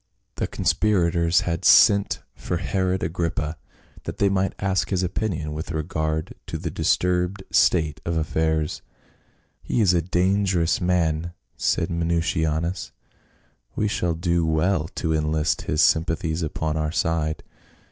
THE conspirators had sent for Herod Agrippa that they might ask his opinion with regard to the disturbed state of affairs. "He is a dangerous man," said Minucianus ; "we shall do well to enlist his sympathies upon our side."